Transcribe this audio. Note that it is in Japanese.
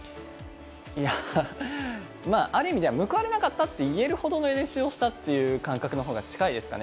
いやー、ある意味では、報われなかったって言えるほどの練習をしたっていう感覚のほうが近いですかね。